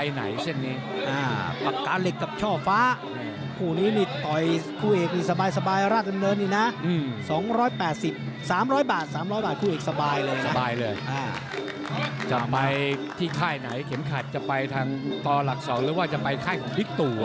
ไหนเข็มขัดจะไปทางต่อหลัก๒หรือว่าจะไปค่ายของพิกตุ